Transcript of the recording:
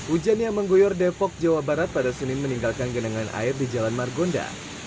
hujan yang mengguyur depok jawa barat pada senin meninggalkan genangan air di jalan margonda